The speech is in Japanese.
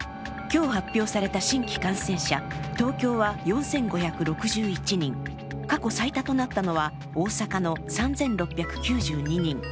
今日発表された新規感染者、東京は４５６１人、過去最多となったのは大阪の３６９２人